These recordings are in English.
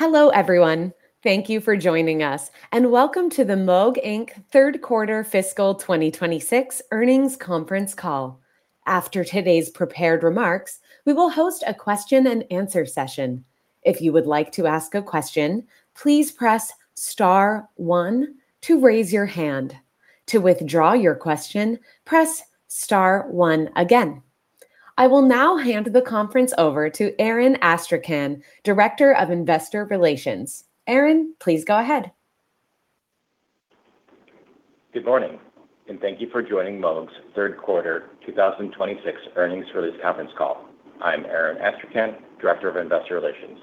Hello, everyone. Thank you for joining us, and welcome to the Moog Inc. Third Quarter Fiscal 2026 Earnings Conference Call. After today's prepared remarks, we will host a question-and-answer session. If you would like to ask a question, please press star one to raise your hand. To withdraw your question, press star one again. I will now hand the conference over to Aaron Astrachan, Director of Investor Relations. Aaron, please go ahead. Good morning. Thank you for joining Moog's Third Quarter 2026 Earnings Release Conference Call. I'm Aaron Astrachan, Director of Investor Relations.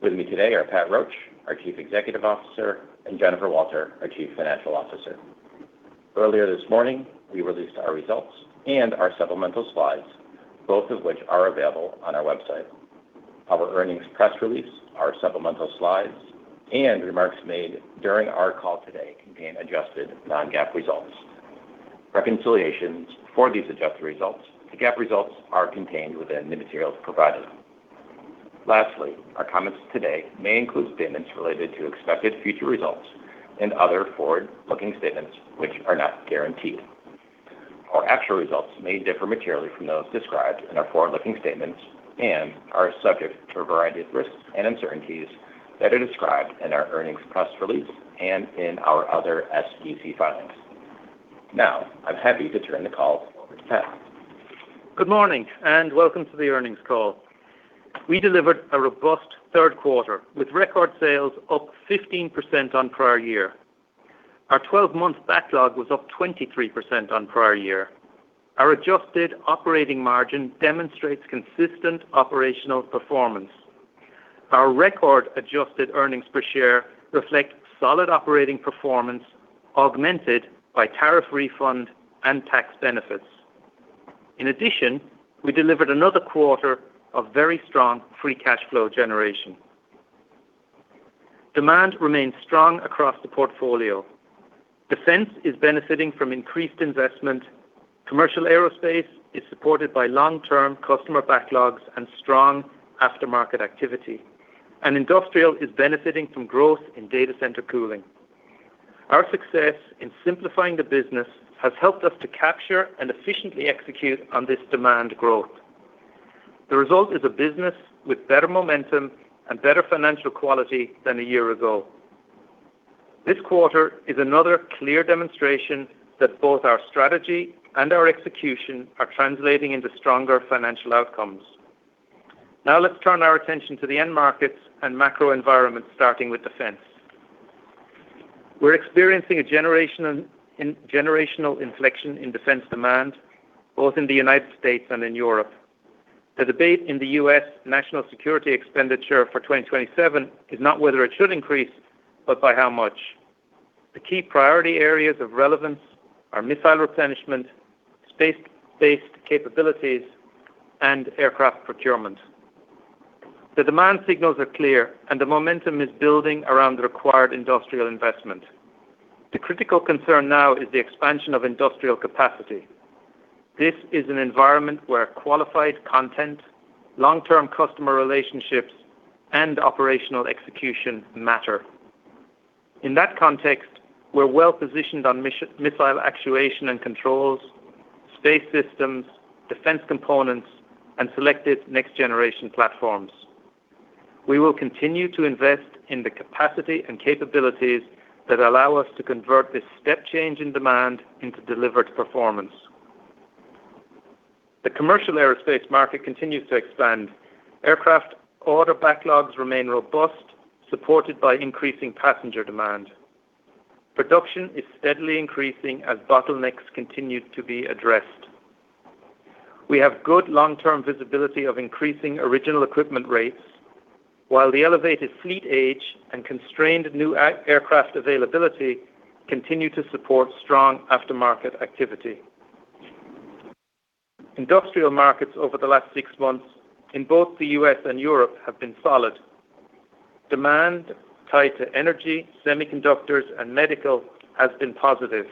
With me today are Pat Roche, our Chief Executive Officer, and Jennifer Walter, our Chief Financial Officer. Earlier this morning, we released our results and our supplemental slides, both of which are available on our website. Our earnings press release, our supplemental slides, and remarks made during our call today contain adjusted non-GAAP results. Reconciliations for these adjusted results to GAAP results are contained within the materials provided. Lastly, our comments today may include statements related to expected future results and other forward-looking statements which are not guaranteed. Our actual results may differ materially from those described in our forward-looking statements and are subject to a variety of risks and uncertainties that are described in our earnings press release and in our other SEC filings. I'm happy to turn the call over to Pat. Good morning. Welcome to the earnings call. We delivered a robust third quarter with record sales up 15% on prior year. Our 12-month backlog was up 23% on prior year. Our adjusted operating margin demonstrates consistent operational performance. Our record-adjusted earnings per share reflect solid operating performance augmented by tariff refund and tax benefits. In addition, we delivered another quarter of very strong free cash flow generation. Demand remains strong across the portfolio. Defense is benefiting from increased investment, commercial aerospace is supported by long-term customer backlogs and strong aftermarket activity, and industrial is benefiting from growth in data center cooling. The result is a business with better momentum and better financial quality than a year ago. This quarter is another clear demonstration that both our strategy and our execution are translating into stronger financial outcomes. Let's turn our attention to the end markets and macro environment, starting with defense. We're experiencing a generational inflection in defense demand both in the U.S. and in Europe. The debate in the U.S. national security expenditure for 2027 is not whether it should increase, but by how much. The key priority areas of relevance are missile replenishment, space-based capabilities, and aircraft procurement. The demand signals are clear, and the momentum is building around the required industrial investment. The critical concern now is the expansion of industrial capacity. This is an environment where qualified content, long-term customer relationships, and operational execution matter. In that context, we're well-positioned on missile actuation and controls, space systems, defense components, and selected next-generation platforms. We will continue to invest in the capacity and capabilities that allow us to convert this step change in demand into delivered performance. The commercial aerospace market continues to expand. Aircraft order backlogs remain robust, supported by increasing passenger demand. Production is steadily increasing as bottlenecks continue to be addressed. We have good long-term visibility of increasing original equipment rates, while the elevated fleet age and constrained new aircraft availability continue to support strong aftermarket activity. Industrial markets over the last six months in both the U.S. and Europe have been solid. Demand tied to energy, semiconductors, and medical has been positive.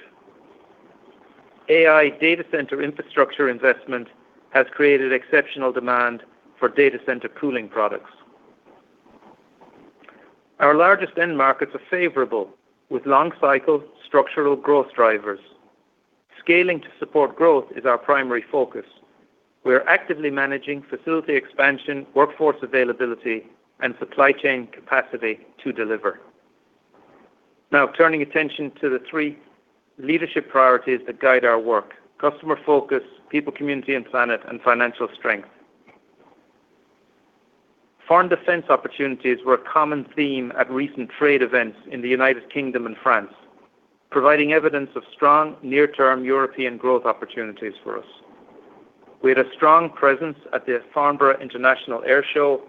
AI data center infrastructure investment has created exceptional demand for data center cooling products. Our largest end markets are favorable, with long-cycle structural growth drivers. Scaling to support growth is our primary focus. We are actively managing facility expansion, workforce availability, and supply chain capacity to deliver. Turning attention to the three leadership priorities that guide our work: customer focus, people, community, and planet, and financial strength. Foreign defense opportunities were a common theme at recent trade events in the U.K. and France, providing evidence of strong near-term European growth opportunities for us. We had a strong presence at the Farnborough International Airshow,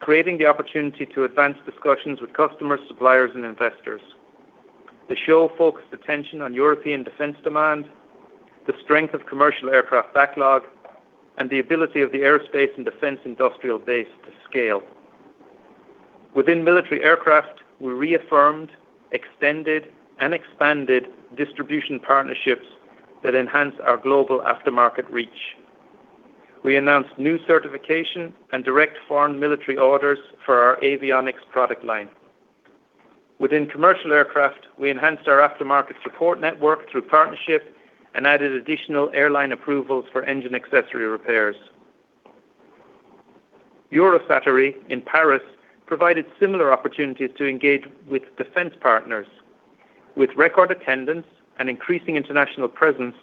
creating the opportunity to advance discussions with customers, suppliers, and investors. The show focused attention on European defense demand, the strength of commercial aircraft backlog, and the ability of the aerospace and defense industrial base to scale. Within Military Aircraft, we reaffirmed, extended, and expanded distribution partnerships that enhance our global aftermarket reach. We announced new certification and direct foreign military orders for our avionics product line. Within commercial aircraft, we enhanced our aftermarket support network through partnership and added additional airline approvals for engine accessory repairs. Eurosatory in Paris provided similar opportunities to engage with defense partners. With record attendance and increasing international presence,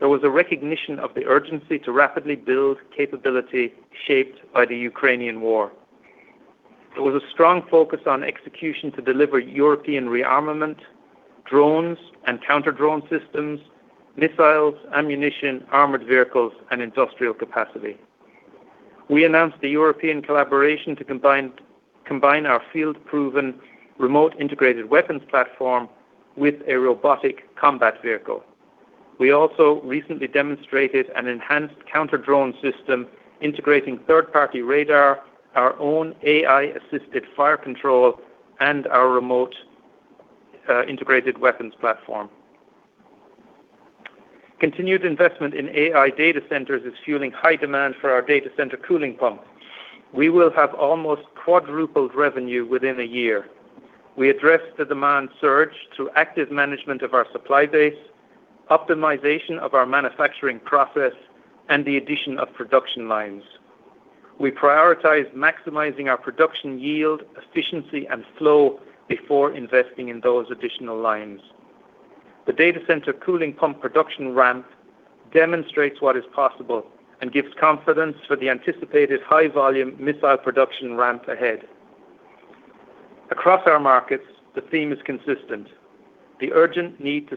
there was a recognition of the urgency to rapidly build capability shaped by the Ukrainian war. There was a strong focus on execution to deliver European rearmament, drones and counter-drone systems, missiles, ammunition, armored vehicles, and industrial capacity. We announced the European collaboration to combine our field-proven remote integrated weapons platform with a robotic combat vehicle. We also recently demonstrated an enhanced counter-drone system integrating third-party radar, our own AI-assisted fire control, and our remote integrated weapons platform. Continued investment in AI data centers is fueling high demand for our data center cooling pumps. We will have almost quadrupled revenue within a year. We addressed the demand surge through active management of our supply base, optimization of our manufacturing process, and the addition of production lines. We prioritize maximizing our production yield, efficiency, and flow before investing in those additional lines. The data center cooling pump production ramp demonstrates what is possible and gives confidence for the anticipated high-volume missile production ramp ahead. Across our markets, the theme is consistent: the urgent need to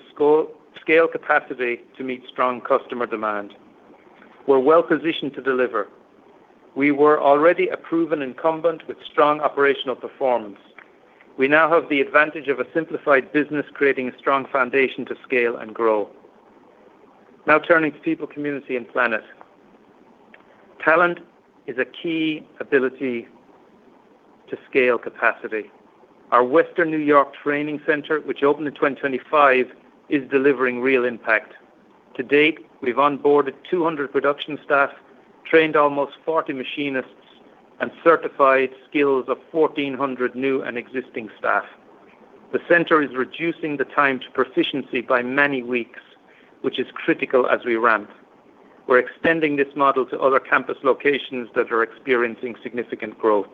scale capacity to meet strong customer demand. We're well-positioned to deliver. We were already a proven incumbent with strong operational performance. We now have the advantage of a simplified business creating a strong foundation to scale and grow. Now turning to people, community, and planet. Talent is a key ability to scale capacity. Our Western New York Training Center, which opened in 2025, is delivering real impact. To date, we've onboarded 200 production staff, trained almost 40 machinists, and certified skills of 1,400 new and existing staff. The center is reducing the time to proficiency by many weeks, which is critical as we ramp. We're extending this model to other campus locations that are experiencing significant growth.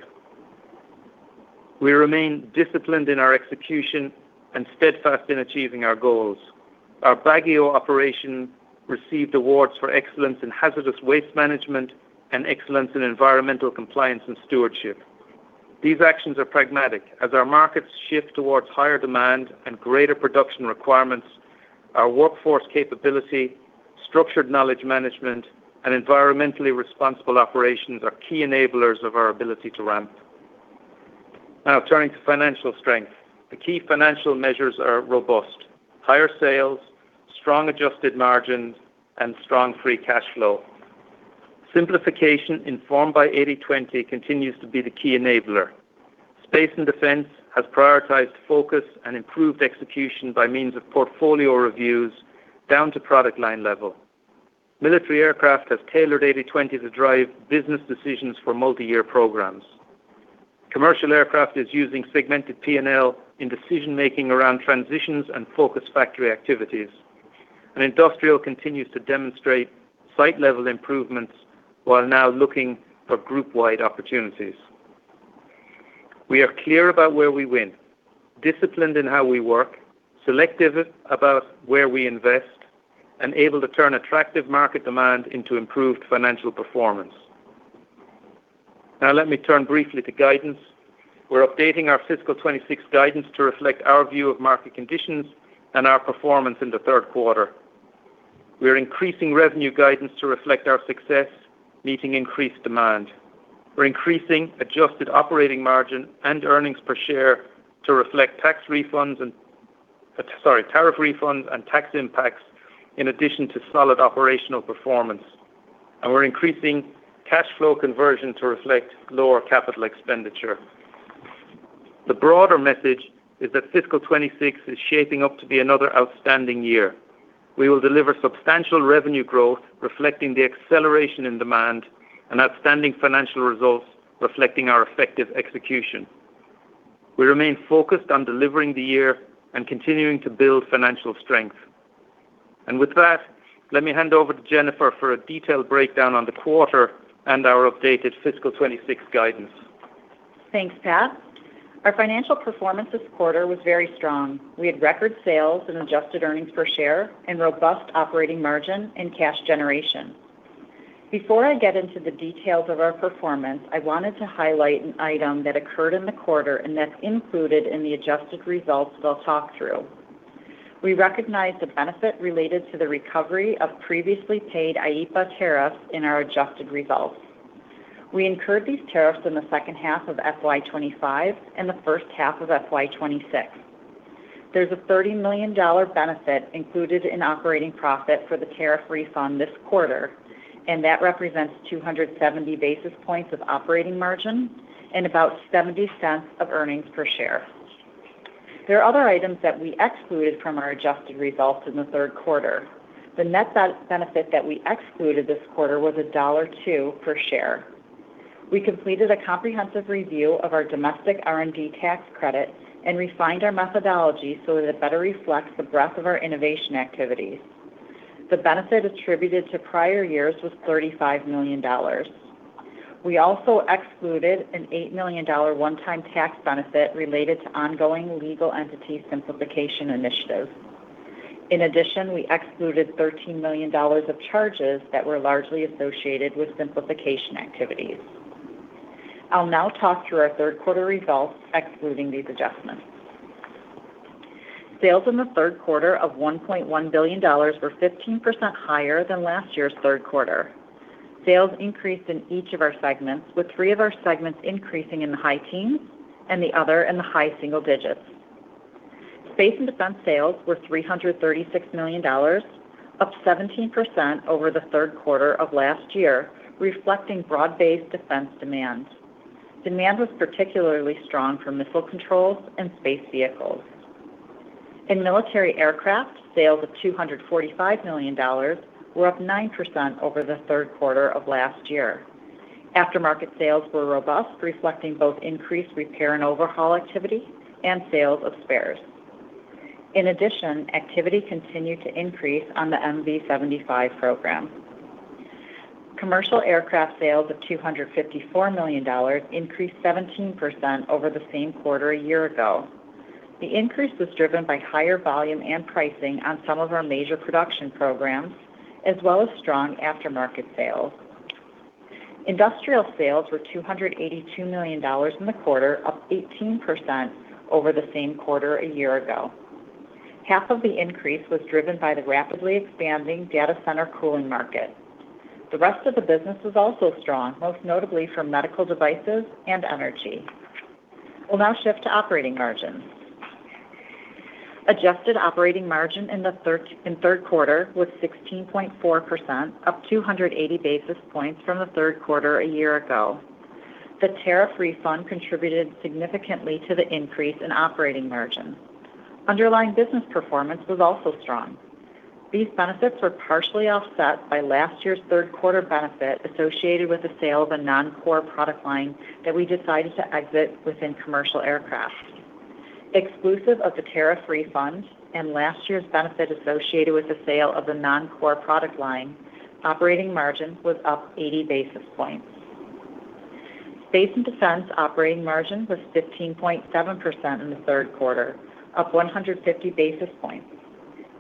We remain disciplined in our execution and steadfast in achieving our goals. Our Baguio operation received awards for excellence in hazardous waste management and excellence in environmental compliance and stewardship. These actions are pragmatic. As our markets shift towards higher demand and greater production requirements, our workforce capability, structured knowledge management, and environmentally responsible operations are key enablers of our ability to ramp. Now turning to financial strength. The key financial measures are robust. Higher sales, strong adjusted margins, and strong free cash flow. Simplification informed by 80/20 continues to be the key enabler. Space and defense has prioritized focus and improved execution by means of portfolio reviews down to product line level. Military Aircraft has tailored 80/20 to drive business decisions for multi-year programs. Commercial aircraft is using segmented P&L in decision-making around transitions and focus factory activities. Industrial continues to demonstrate site-level improvements while now looking for group-wide opportunities. We are clear about where we win, disciplined in how we work, selective about where we invest, and able to turn attractive market demand into improved financial performance. Now let me turn briefly to guidance. We're updating our fiscal 2026 guidance to reflect our view of market conditions and our performance in the third quarter. We're increasing revenue guidance to reflect our success meeting increased demand. We're increasing adjusted operating margin and earnings per share to reflect tariff refunds and tax impacts, in addition to solid operational performance, and we're increasing cash flow conversion to reflect lower capital expenditure. The broader message is that fiscal 2026 is shaping up to be another outstanding year. We will deliver substantial revenue growth reflecting the acceleration in demand and outstanding financial results reflecting our effective execution. We remain focused on delivering the year and continuing to build financial strength. With that, let me hand over to Jennifer for a detailed breakdown on the quarter and our updated fiscal 2026 guidance. Thanks, Pat. Our financial performance this quarter was very strong. We had record sales and adjusted earnings per share and robust operating margin and cash generation. Before I get into the details of our performance, I wanted to highlight an item that occurred in the quarter and that is included in the adjusted results that I'll talk through. We recognize the benefit related to the recovery of previously paid IEEPA tariffs in our adjusted results. We incurred these tariffs in the second half of FY 2025 and the first half of FY 2026. There's a $30 million benefit included in operating profit for the tariff refund this quarter, and that represents 270 basis points of operating margin and about $0.70 of earnings per share. There are other items that we excluded from our adjusted results in the third quarter. The net benefit that we excluded this quarter was $1.02 per share. We completed a comprehensive review of our domestic R&D tax credit and refined our methodology so that it better reflects the breadth of our innovation activities. The benefit attributed to prior years was $35 million. We also excluded an $8 million one-time tax benefit related to ongoing legal entity simplification initiatives. In addition, we excluded $13 million of charges that were largely associated with simplification activities. I'll now talk through our third quarter results excluding these adjustments. Sales in the third quarter of $1.1 billion were 15% higher than last year's third quarter. Sales increased in each of our segments, with three of our segments increasing in the high teens and the other in the high single digits. Space and defense sales were $336 million, up 17% over the third quarter of last year, reflecting broad-based defense demand. Demand was particularly strong for missile controls and space vehicles. In Military Aircraft, sales of $245 million were up 9% over the third quarter of last year. Aftermarket sales were robust, reflecting both increased repair and overhaul activity and sales of spares. In addition, activity continued to increase on the MV-75 program. Commercial aircraft sales of $254 million increased 17% over the same quarter a year ago. The increase was driven by higher volume and pricing on some of our major production programs, as well as strong aftermarket sales. Industrial sales were $282 million in the quarter, up 18% over the same quarter a year ago. Half of the increase was driven by the rapidly expanding data center cooling market. The rest of the business was also strong, most notably for medical devices and energy. We'll now shift to operating margins. Adjusted operating margin in the third quarter was 16.4%, up 280 basis points from the third quarter a year ago. The tariff refund contributed significantly to the increase in operating margin. Underlying business performance was also strong. These benefits were partially offset by last year's third quarter benefit associated with the sale of a non-core product line that we decided to exit within commercial aircraft. Exclusive of the tariff refund and last year's benefit associated with the sale of the non-core product line, operating margin was up 80 basis points. Space and defense operating margin was 15.7% in the third quarter, up 150 basis points.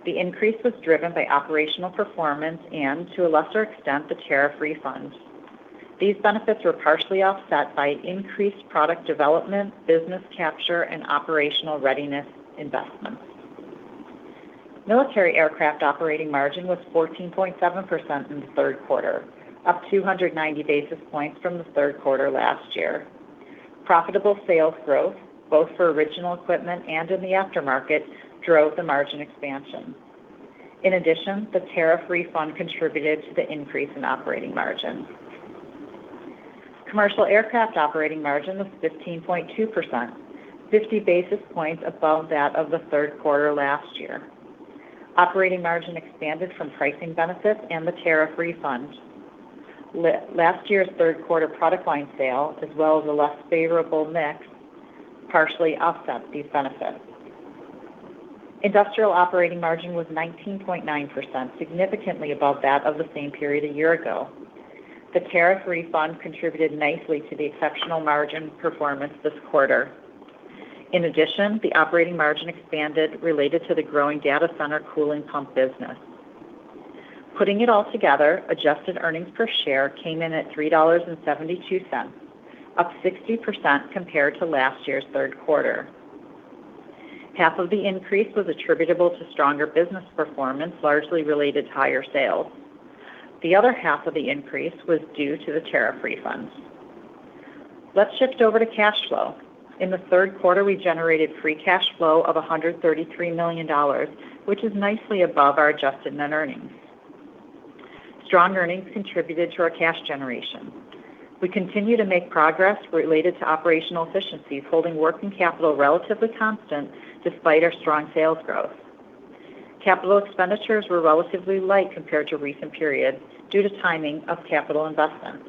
The increase was driven by operational performance and, to a lesser extent, the tariff refund. These benefits were partially offset by increased product development, business capture, and operational readiness investments. Military Aircraft operating margin was 14.7% in the third quarter, up 290 basis points from the third quarter last year. Profitable sales growth, both for original equipment and in the aftermarket, drove the margin expansion. In addition, the tariff refund contributed to the increase in operating margin. Commercial aircraft operating margin was 15.2%, 50 basis points above that of the third quarter last year. Operating margin expanded from pricing benefits and the tariff refund. Last year's third quarter product line sale, as well as a less favorable mix, partially offset these benefits. Industrial operating margin was 19.9%, significantly above that of the same period a year ago. The tariff refund contributed nicely to the exceptional margin performance this quarter. In addition, the operating margin expanded related to the growing data center cooling pump business. Putting it all together, adjusted earnings per share came in at $3.72, up 60% compared to last year's third quarter. Half of the increase was attributable to stronger business performance, largely related to higher sales. The other half of the increase was due to the tariff refunds. Let's shift over to cash flow. In the third quarter, we generated free cash flow of $133 million, which is nicely above our adjusted net earnings. Strong earnings contributed to our cash generation. We continue to make progress related to operational efficiencies, holding working capital relatively constant despite our strong sales growth. Capital expenditures were relatively light compared to recent periods due to timing of capital investments.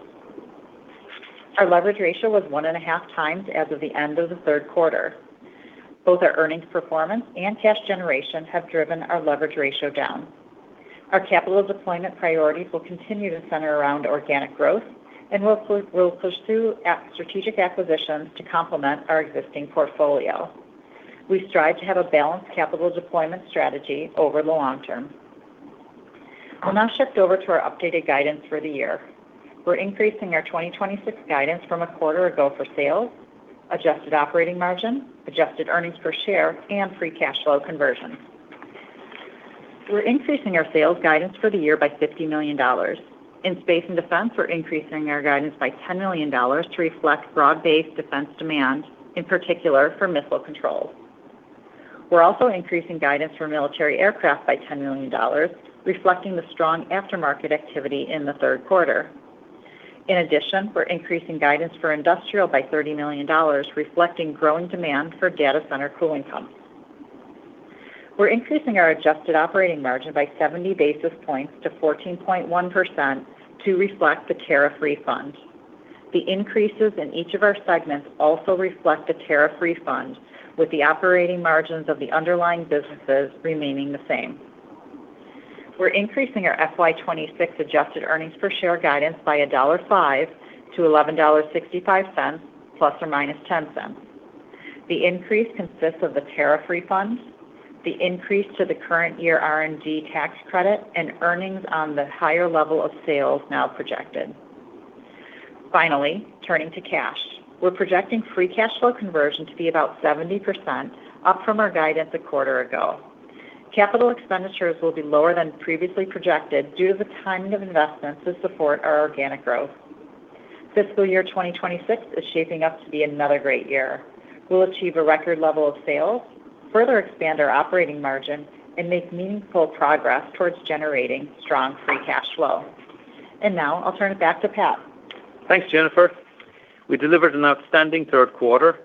Our leverage ratio was one and a half times as of the end of the third quarter. Both our earnings performance and cash generation have driven our leverage ratio down. Our capital deployment priorities will continue to center around organic growth and we'll pursue strategic acquisitions to complement our existing portfolio. We strive to have a balanced capital deployment strategy over the long term. I'll now shift over to our updated guidance for the year. We're increasing our 2026 guidance from a quarter ago for sales, adjusted operating margin, adjusted earnings per share, and free cash flow conversion. We're increasing our sales guidance for the year by $50 million. In Space and Defense, we're increasing our guidance by $10 million to reflect broad-based defense demand, in particular for missile controls. We're also increasing guidance for Military Aircraft by $10 million, reflecting the strong aftermarket activity in the third quarter. In addition, we're increasing guidance for industrial by $30 million, reflecting growing demand for data center cooling pumps. We're increasing our adjusted operating margin by 70 basis points to 14.1% to reflect the tariff refund. The increases in each of our segments also reflect the tariff refund, with the operating margins of the underlying businesses remaining the same. We're increasing our FY 2026 adjusted earnings per share guidance by $1.05 to $11.65, ±$0.10. The increase consists of the tariff refunds, the increase to the current year R&D tax credit, and earnings on the higher level of sales now projected. Finally, turning to cash. We're projecting free cash flow conversion to be about 70%, up from our guidance a quarter ago. Capital expenditures will be lower than previously projected due to the timing of investments to support our organic growth. Fiscal year 2026 is shaping up to be another great year. We'll achieve a record level of sales, further expand our operating margin, and make meaningful progress towards generating strong free cash flow. Now I'll turn it back to Pat. Thanks, Jennifer. We delivered an outstanding third quarter.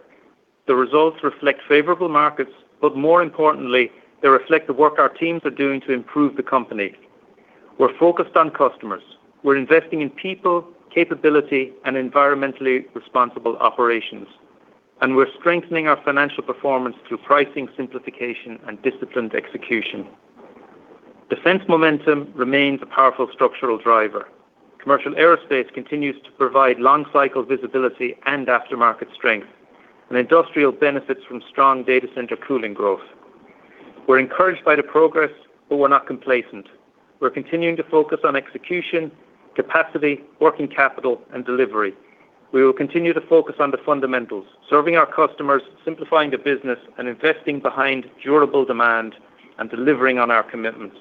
The results reflect favorable markets, more importantly, they reflect the work our teams are doing to improve the company. We're focused on customers. We're investing in people, capability, and environmentally responsible operations. We're strengthening our financial performance through pricing simplification and disciplined execution. Defense momentum remains a powerful structural driver. Commercial aerospace continues to provide long cycle visibility and aftermarket strength, and industrial benefits from strong data center cooling growth. We're encouraged by the progress, we're not complacent. We're continuing to focus on execution, capacity, working capital, and delivery. We will continue to focus on the fundamentals: serving our customers, simplifying the business, and investing behind durable demand, and delivering on our commitments.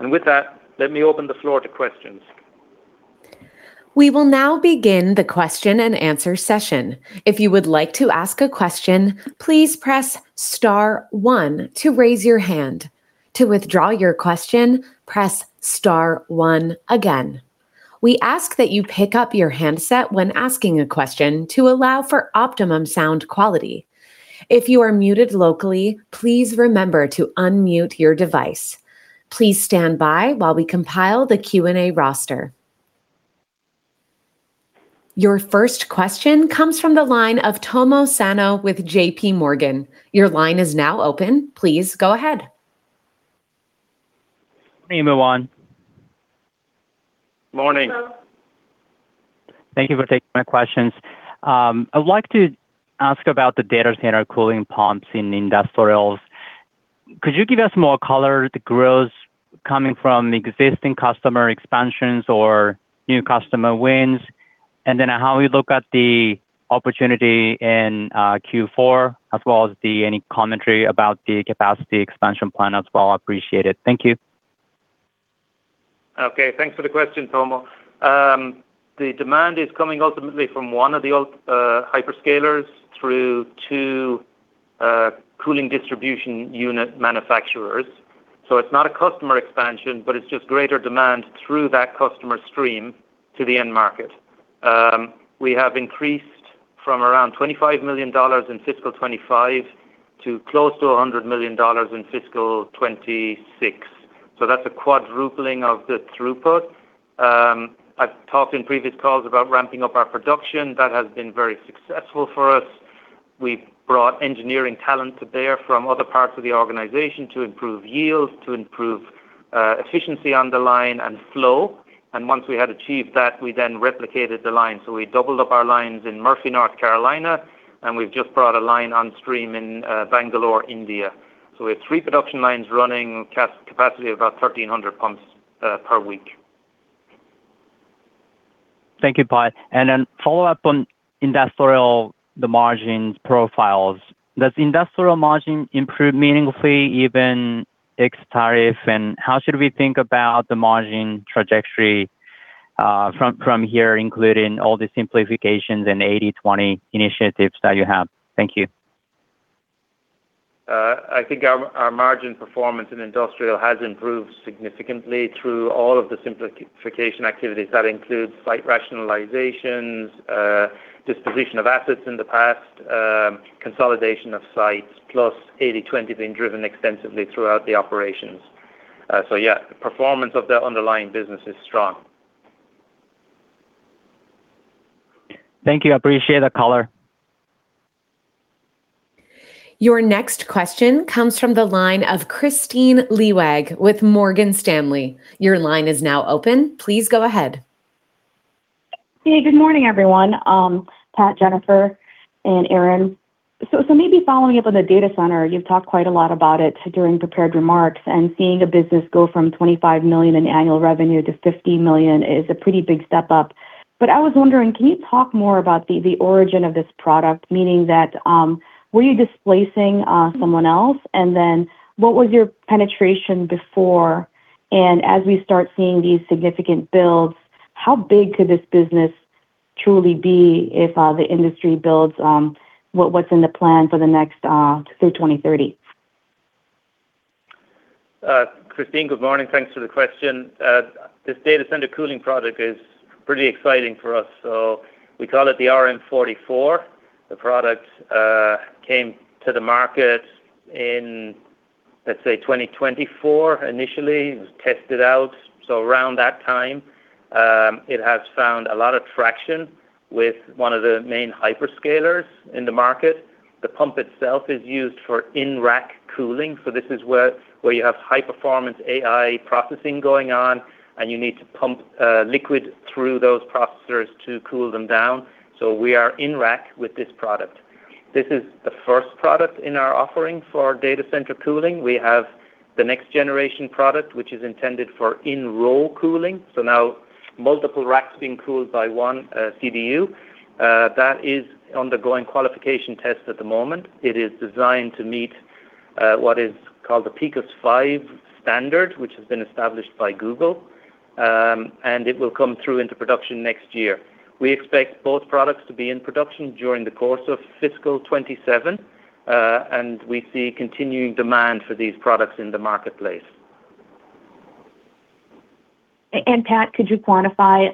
With that, let me open the floor to questions. We will now begin the question and answer session. If you would like to ask a question, please press star one to raise your hand. To withdraw your question, press star one again. We ask that you pick up your handset when asking a question to allow for optimum sound quality. If you are muted locally, please remember to unmute your device. Please stand by while we compile the Q&A roster. Your first question comes from the line of Tomo Sano with JPMorgan. Your line is now open. Please go ahead. Hey, everyone. Morning. Thank you for taking my questions. I would like to ask about the data center cooling pumps in industrials. Could you give us more color, the growth coming from existing customer expansions or new customer wins? How we look at the opportunity in Q4, as well as any commentary about the capacity expansion plan as well. I appreciate it. Thank you. Okay. Thanks for the question, Tomo. The demand is coming ultimately from one of the old hyperscalers through two cooling distribution unit manufacturers. It's not a customer expansion, but it's just greater demand through that customer stream to the end market. We have increased from around $25 million in fiscal 2025 to close to $100 million in fiscal 2026. That's a quadrupling of the throughput. I've talked in previous calls about ramping up our production. That has been very successful for us. We've brought engineering talent to bear from other parts of the organization to improve yield, to improve efficiency on the line, and flow. Once we had achieved that, we then replicated the line. We doubled up our lines in Murphy, North Carolina, and we've just brought a line on stream in Bangalore, India. We have three production lines running capacity of about 1,300 pumps per week. Thank you, Pat. Follow up on industrial, the margins profiles. Does industrial margin improve meaningfully even ex-tariff? How should we think about the margin trajectory from here, including all the simplifications and 80/20 initiatives that you have? Thank you. I think our margin performance in industrial has improved significantly through all of the simplification activities. That includes site rationalizations, disposition of assets in the past, consolidation of sites, plus 80/20 being driven extensively throughout the operations. Yeah, performance of the underlying business is strong. Thank you. I appreciate the color. Your next question comes from the line of Kristine Liwag with Morgan Stanley. Your line is now open. Please go ahead. Yeah, good morning, everyone. Pat, Jennifer, and Aaron. Maybe following up on the data center, you've talked quite a lot about it during prepared remarks, and seeing a business go from $25 million in annual revenue to $50 million is a pretty big step up. I was wondering, can you talk more about the origin of this product? Meaning that, were you displacing someone else? What was your penetration before? As we start seeing these significant builds, how big could this business truly be if the industry builds what's in the plan for the next through 2030? Kristine, good morning. Thanks for the question. This data center cooling product is pretty exciting for us. We call it the RM44. The product came to the market in, let's say, 2024, initially. It was tested out, so around that time. It has found a lot of traction with one of the main hyperscalers in the market. The pump itself is used for in-rack cooling. This is where you have high-performance AI processing going on, and you need to pump liquid through those processors to cool them down. We are in-rack with this product. This is the first product in our offering for data center cooling. We have the next-generation product, which is intended for in-row cooling, so now multiple racks being cooled by one CDU. That is undergoing qualification tests at the moment. It is designed to meet what is called the OCP AS5 standard, which has been established by Google, and it will come through into production next year. We expect both products to be in production during the course of fiscal 2027, and we see continuing demand for these products in the marketplace. Pat, could you quantify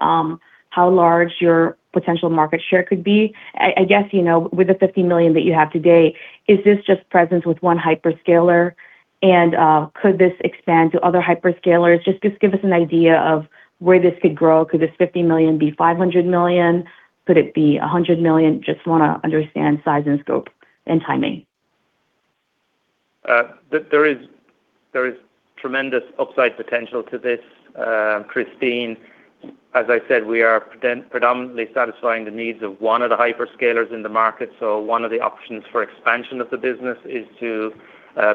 how large your potential market share could be? I guess, with the $50 million that you have today, is this just presence with one hyperscaler, and could this expand to other hyperscalers? Just give us an idea of where this could grow. Could this $50 million be $500 million? Could it be $100 million? Just want to understand size and scope and timing. There is tremendous upside potential to this, Kristine. As I said, we are predominantly satisfying the needs of one of the hyperscalers in the market. One of the options for expansion of the business is to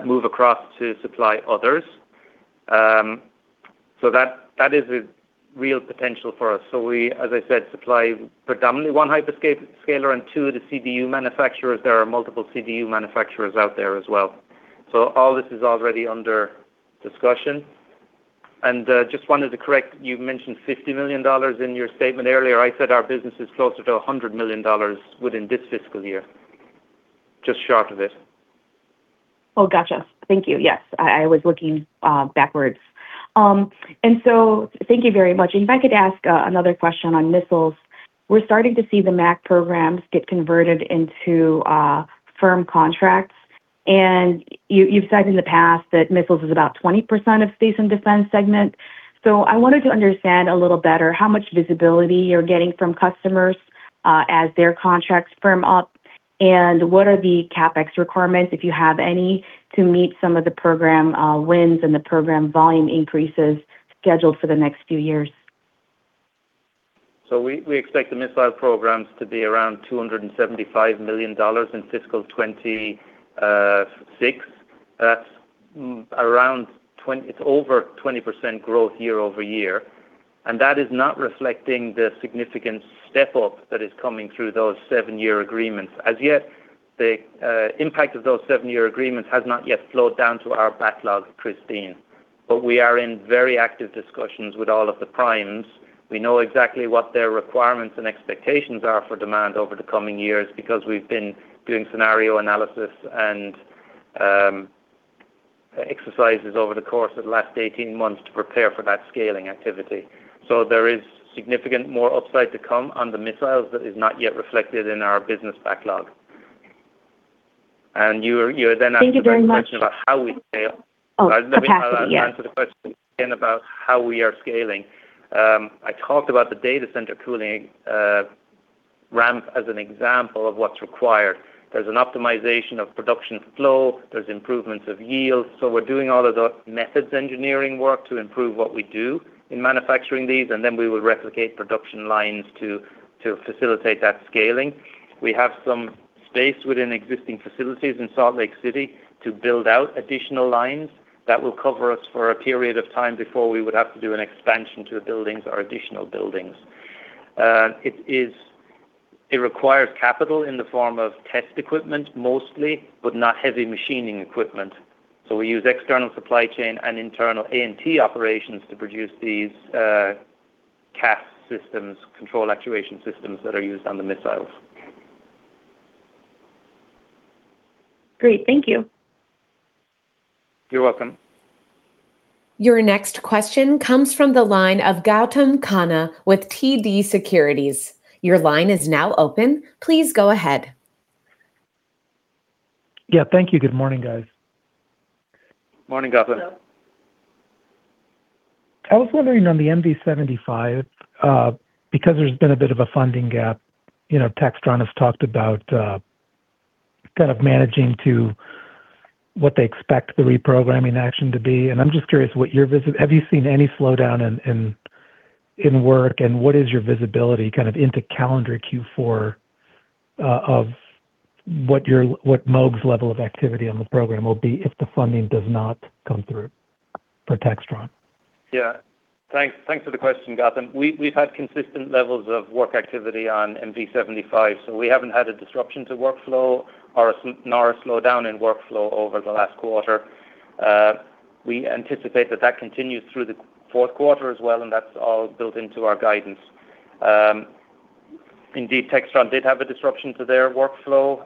move across to supply others. That is a real potential for us. We, as I said, supply predominantly one hyperscaler and two of the CDU manufacturers. There are multiple CDU manufacturers out there as well. All this is already under discussion. Just wanted to correct, you mentioned $50 million in your statement earlier. I said our business is closer to $100 million within this fiscal year, just short of it. Oh, got you. Thank you. Yes. I was looking backwards. Thank you very much. If I could ask another question on missiles. We're starting to see the MAC programs get converted into firm contracts. You've said in the past that missiles is about 20% of space and defense segment. I wanted to understand a little better how much visibility you're getting from customers as their contracts firm up, and what are the CapEx requirements, if you have any, to meet some of the program wins and the program volume increases scheduled for the next few years? We expect the missile programs to be around $275 million in fiscal 2026. It's over 20% growth year-over-year, that is not reflecting the significant step up that is coming through those seven-year agreements. As yet, the impact of those seven-year agreements has not yet flowed down to our backlog, Kristine. We are in very active discussions with all of the primes. We know exactly what their requirements and expectations are for demand over the coming years because we've been doing scenario analysis and exercises over the course of the last 18 months to prepare for that scaling activity. There is significant more upside to come on the missiles that is not yet reflected in our business backlog. You were then asking Thank you very much A question about how we scale. Oh, fantastic. Yeah. Let me answer the question again about how we are scaling. I talked about the data center cooling ramp as an example of what's required. There's an optimization of production flow. There's improvements of yield. We're doing all of the methods engineering work to improve what we do in manufacturing these, and then we will replicate production lines to facilitate that scaling. We have some space within existing facilities in Salt Lake City to build out additional lines that will cover us for a period of time before we would have to do an expansion to the buildings or additional buildings. It requires capital in the form of test equipment mostly, but not heavy machining equipment. We use external supply chain and internal A&T operations to produce these CAS systems, control actuation systems, that are used on the missiles. Great. Thank you. You're welcome. Your next question comes from the line of Gautam Khanna with TD Securities. Your line is now open. Please go ahead. Yeah, thank you. Good morning, guys. Morning, Gautam. Hello. I was wondering on the MV-75, because there's been a bit of a funding gap. Textron has talked about kind of managing to what they expect the reprogramming action to be, and I'm just curious, have you seen any slowdown in work, and what is your visibility kind of into calendar Q4 of what Moog's level of activity on the program will be if the funding does not come through for Textron? Thanks for the question, Gautam. We've had consistent levels of work activity on MV-75, so we haven't had a disruption to workflow nor a slowdown in workflow over the last quarter. We anticipate that that continues through the fourth quarter as well, and that's all built into our guidance. Indeed, Textron did have a disruption to their workflow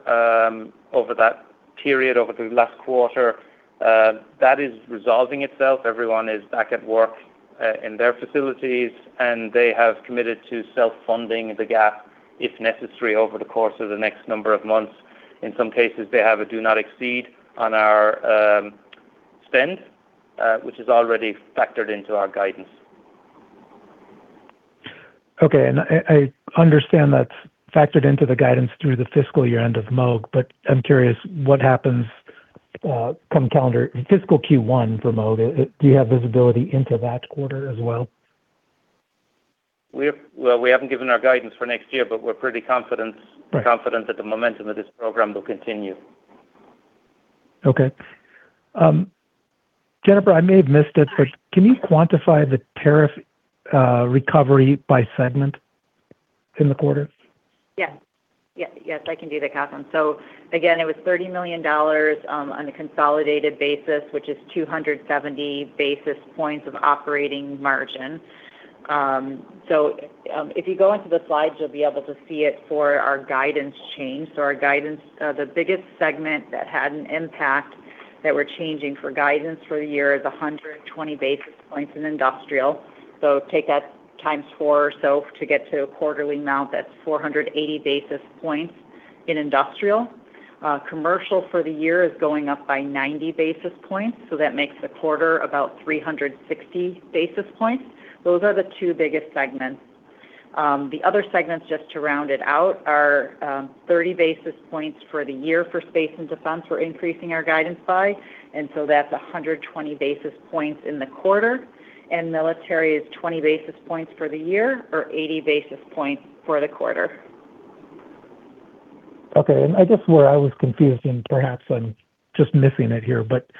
over that period, over the last quarter. That is resolving itself. Everyone is back at work in their facilities, and they have committed to self-funding the gap if necessary over the course of the next number of months. In some cases, they have a do not exceed on our spend, which is already factored into our guidance. Okay. I understand that's factored into the guidance through the fiscal year end of Moog, but I'm curious what happens come fiscal Q1 for Moog. Do you have visibility into that quarter as well? Well, we haven't given our guidance for next year, but we're pretty confident, confident that the momentum of this program will continue. Okay. Jennifer, I may have missed it, but can you quantify the tariff recovery by segment in the quarter? Yes. Yes, I can do that, Catherine. Again, it was $30 million on a consolidated basis, which is 270 basis points of operating margin. If you go into the slides, you'll be able to see it for our guidance change. Our guidance, the biggest segment that had an impact that we're changing for guidance for the year is 120 basis points in Industrial. Take that times four or so to get to a quarterly amount, that's 480 basis points in Industrial. Commercial for the year is going up by 90 basis points, so that makes the quarter about 360 basis points. Those are the two biggest segments. The other segments, just to round it out, are 30 basis points for the year for Space and Defense we're increasing our guidance by, and so that's 120 basis points in the quarter. Military is 20 basis points for the year, or 80 basis points for the quarter. Okay. I guess where I was confused, and perhaps I'm just missing it here, but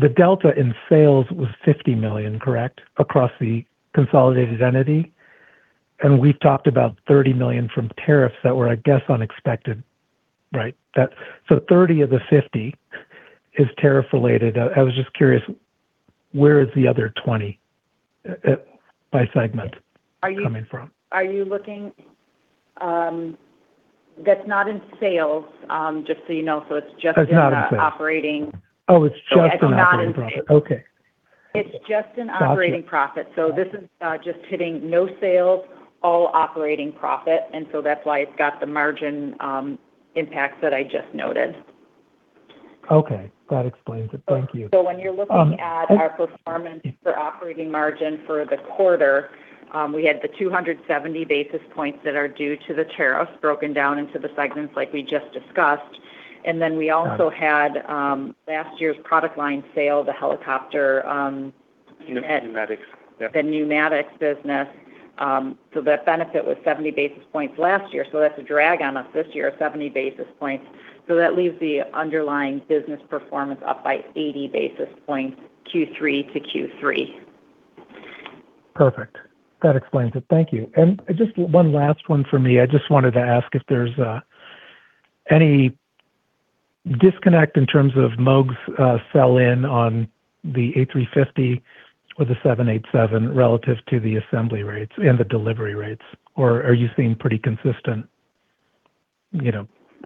the delta in sales was $50 million, correct, across the consolidated entity? We've talked about $30 million from tariffs that were, I guess, unexpected, right? 30 of the 50 is tariff-related. I was just curious, where is the other 20 by segment coming from? That's not in sales, just so you know. It's not in sales in our Oh, it's just in operating profit. It's not in sales. Okay. Gotcha. It's just in operating profit, so this is just hitting no sales, all operating profit, and so that's why it's got the margin impacts that I just noted. Okay. That explains it. Thank you. When you're looking at our performance for operating margin for the quarter, we had the 270 basis points that are due to the tariffs broken down into the segments like we just discussed, and then we also had last year's product line sale, the helicopter- Pneumatics. Yeah the Pneumatics business. That benefit was 70 basis points last year, so that's a drag on us this year of 70 basis points. That leaves the underlying business performance up by 80 basis points Q3 to Q3. Perfect. That explains it. Thank you. Just one last one from me. I just wanted to ask if there's any disconnect in terms of Moog's sell-in on the A350 or the 787 relative to the assembly rates and the delivery rates, or are you seeing pretty consistent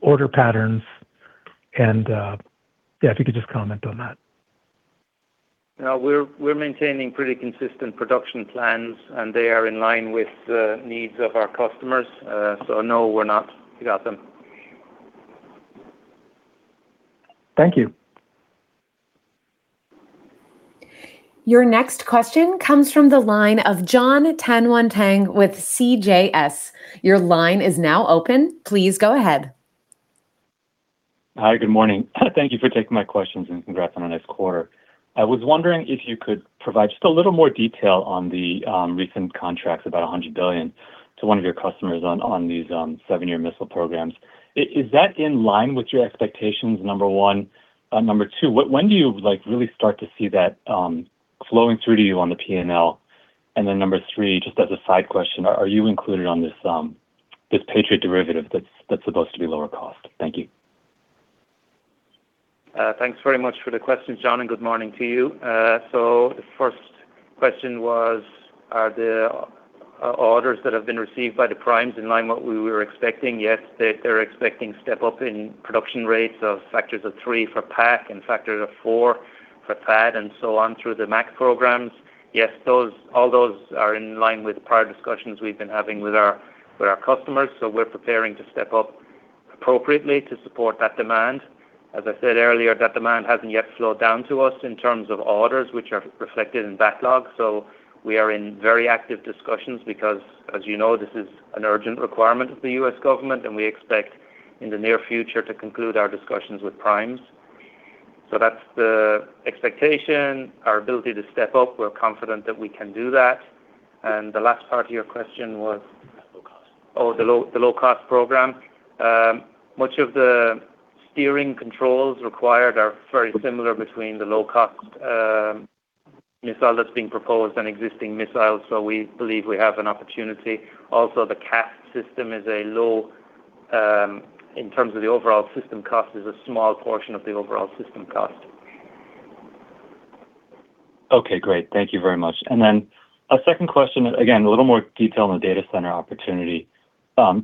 order patterns and yeah, if you could just comment on that. No, we're maintaining pretty consistent production plans. They are in line with the needs of our customers. No, we're not, Gautam. Thank you. Your next question comes from the line of John Tanwanteng with CJS. Your line is now open. Please go ahead. Hi, good morning. Thank you for taking my questions. Congrats on a nice quarter. I was wondering if you could provide just a little more detail on the recent contracts, about $100 billion, to one of your customers on these seven-year missile programs. Is that in line with your expectations, number one? Number two, when do you really start to see that flowing through to you on the P&L? Number three, just as a side question, are you included on this Patriot derivative that's supposed to be lower cost? Thank you. Thanks very much for the question, John, and good morning to you. The first question was, are the orders that have been received by the primes in line what we were expecting? They're expecting step-up in production rates of factors of three for PAC and factors of four for THAAD and so on through the MAC programs. All those are in line with prior discussions we've been having with our customers, we're preparing to step up appropriately to support that demand. As I said earlier, that demand hasn't yet flowed down to us in terms of orders which are reflected in backlog, we are in very active discussions because, as you know, this is an urgent requirement of the U.S. government, we expect in the near future to conclude our discussions with primes. That's the expectation. Our ability to step up, we're confident that we can do that. The last part of your question was? The low cost. The low-cost program. Much of the steering controls required are very similar between the low-cost missile that's being proposed and existing missiles, we believe we have an opportunity. The CAS system, in terms of the overall system cost, is a small portion of the overall system cost. Okay, great. Thank you very much. A second question, again, a little more detail on the data center opportunity. Are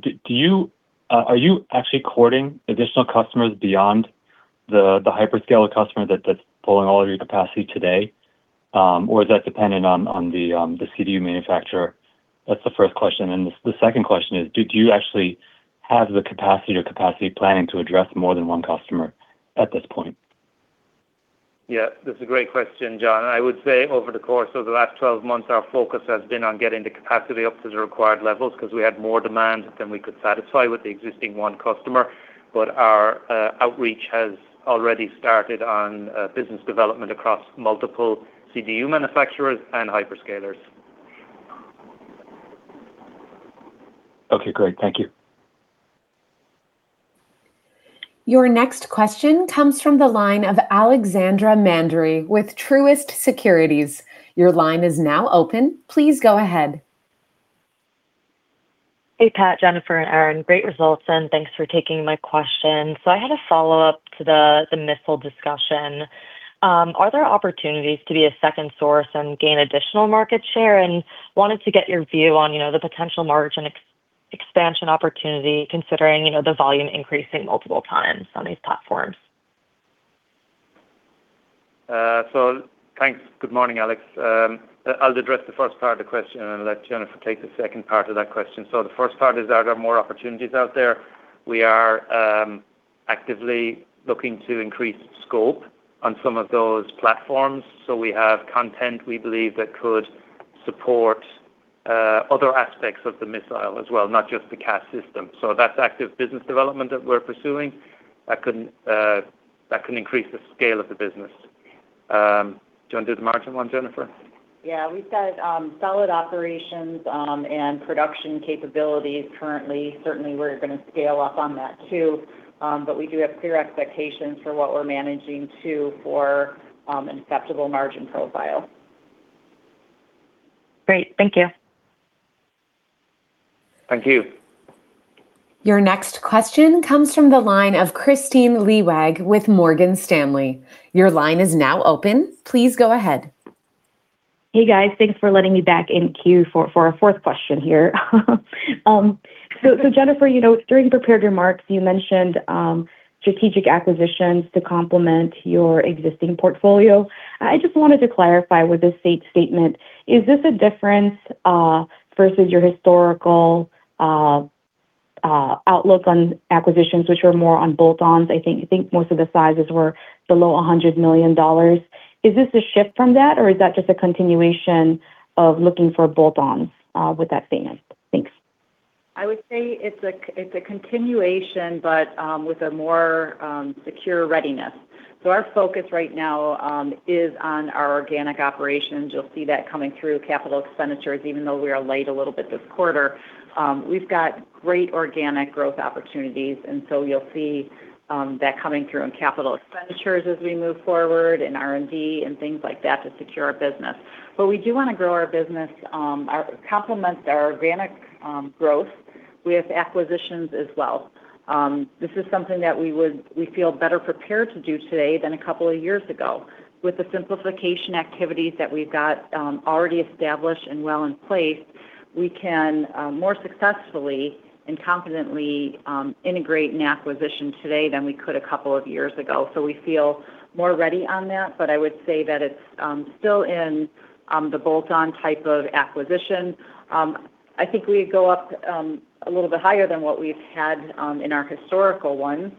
you actually courting additional customers beyond the hyperscaler customer that's pulling all of your capacity today? Or is that dependent on the CDU manufacturer? That's the first question. The second question is, do you actually have the capacity or capacity planning to address more than one customer at this point? Yeah. That's a great question, John. I would say over the course of the last 12 months, our focus has been on getting the capacity up to the required levels because we had more demand than we could satisfy with the existing one customer. Our outreach has already started on business development across multiple CDU manufacturers and hyperscalers. Okay, great. Thank you. Your next question comes from the line of Alexandra Mandery with Truist Securities. Your line is now open. Please go ahead. Hey, Pat, Jennifer, and Aaron. Great results and thanks for taking my question. I had a follow-up to the missile discussion. Are there opportunities to be a second source and gain additional market share? Wanted to get your view on the potential margin expansion opportunity, considering the volume increasing multiple times on these platforms. Thanks. Good morning, Alex. I'll address the first part of the question and let Jennifer take the second part of that question. The first part is, are there more opportunities out there? We are actively looking to increase scope on some of those platforms. We have content we believe that could support other aspects of the missile as well, not just the CAS system. That's active business development that we're pursuing that can increase the scale of the business. Do you want to do the margin one, Jennifer? Yeah. We've got solid operations and production capabilities currently. Certainly, we're going to scale up on that too. We do have clear expectations for what we're managing to for an acceptable margin profile. Great. Thank you. Thank you. Your next question comes from the line of Kristine Liwag with Morgan Stanley. Your line is now open. Please go ahead. Hey, guys. Thanks for letting me back in queue for a fourth question here. Jennifer, during prepared remarks, you mentioned strategic acquisitions to complement your existing portfolio. I just wanted to clarify with this statement, is this a difference versus your historical outlook on acquisitions, which were more on bolt-ons? I think most of the sizes were below $100 million. Is this a shift from that, or is that just a continuation of looking for bolt-ons with that statement? Thanks. I would say it's a continuation, but with a more secure readiness. Our focus right now is on our organic operations. You'll see that coming through capital expenditures, even though we are light a little bit this quarter. We've got great organic growth opportunities, you'll see that coming through in capital expenditures as we move forward, and R&D, and things like that to secure our business. We do want to grow our business, complement our organic growth with acquisitions as well. This is something that we feel better prepared to do today than a couple of years ago. With the simplification activities that we've got already established and well in place, we can more successfully and confidently integrate an acquisition today than we could a couple of years ago. We feel more ready on that. I would say that it's still in the bolt-on type of acquisition. I think we go up a little bit higher than what we've had in our historical ones.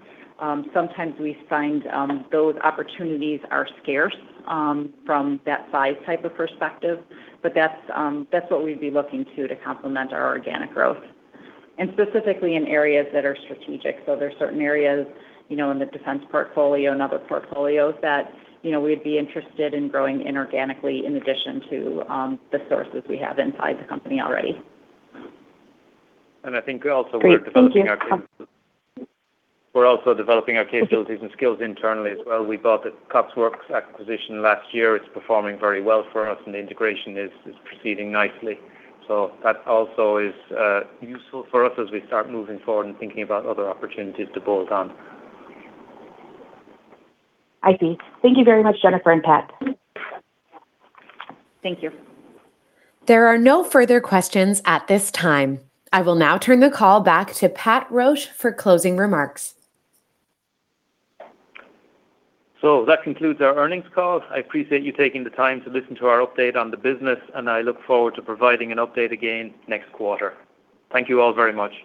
Sometimes we find those opportunities are scarce from that size type of perspective, but that's what we'd be looking to to complement our organic growth. Specifically in areas that are strategic. There's certain areas in the defense portfolio and other portfolios that we'd be interested in growing inorganically in addition to the sources we have inside the company already. I think also we're developing our. Great. Thank you. We're also developing our capabilities and skills internally as well. We bought the COTSWORKS acquisition last year. It's performing very well for us, and the integration is proceeding nicely. That also is useful for us as we start moving forward and thinking about other opportunities to bolt on. I see. Thank you very much, Jennifer and Pat. Thank you. There are no further questions at this time. I will now turn the call back to Pat Roche for closing remarks. That concludes our earnings call. I appreciate you taking the time to listen to our update on the business, and I look forward to providing an update again next quarter. Thank you all very much.